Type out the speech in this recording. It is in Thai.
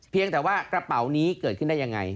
เพียงแต่ว่ากระเป๋านี้เกิดขึ้นได้ยังไง